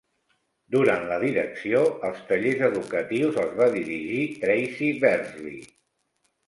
Durant la direcció, els tallers educatius els va dirigir Tracy Bersley.